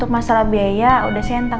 masalah biaya udah saya entang